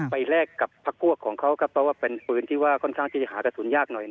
แลกกับพักพวกของเขาครับเพราะว่าเป็นปืนที่ว่าค่อนข้างที่จะหากระสุนยากหน่อย